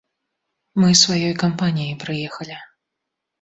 Мы сваёй кампаніяй прыехалі.